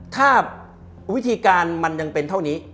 ถ้าวิธีการมันยังเป็นเท่านี้